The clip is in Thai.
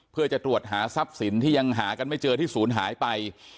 เพื่อจะตรวจหาทรัพย์สินที่ยังหากันไม่เจอที่ศูนย์หายไป